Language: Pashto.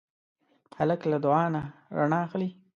هلک له دعا نه رڼا اخلي.